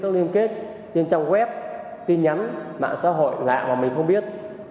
liên kết trên trang web tin nhắn mạng xã hội lạ mà mình không biết